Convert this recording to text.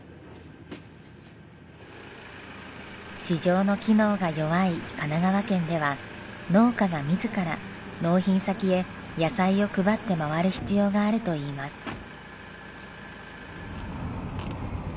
市場の機能が弱い神奈川県では農家が自ら納品先へ野菜を配って回る必要があるといいます。